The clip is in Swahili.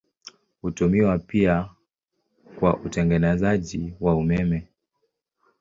Hutumiwa pia kwa utengenezaji wa umeme.